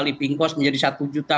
liping cost menjadi satu juta